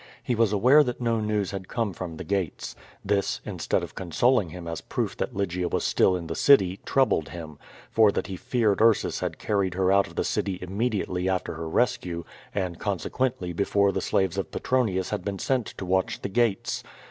He was aware that no news had come from the gates. This, in stead of consoling him as proof that Lygia was still in the city, troubled him, for that he feared Ursus had carried her out of the city immediately after her rescue, and consequently before the slaves of Petronius had been sent to watch the gates.